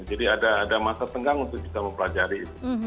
jadi ada masa tenggang untuk bisa mempelajari itu